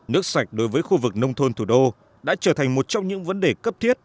nước sạch đối với khu vực nông thôn thủ đô đã trở thành một trong những vấn đề cấp thiết